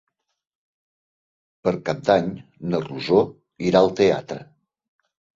Per Cap d'Any na Rosó irà al teatre.